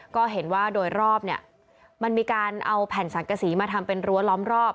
ก็เห็นว่าโดยรอบเนี่ยมันมีการเอาแผ่นสังกษีมาทำเป็นรั้วล้อมรอบ